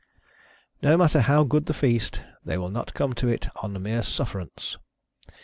No matter how good the feast, they will not come to it on mere suf ferance.